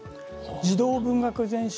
児童文学全集。